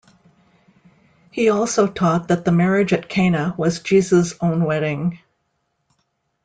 He also taught that the marriage at Cana was Jesus' own wedding.